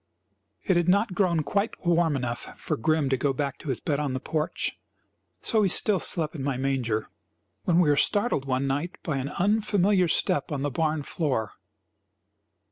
It had not grown quite warm enough for Grim to go back to his bed on the porch, so he still slept in my manger, when we were startled one night by an unfamiliar step on the barn floor.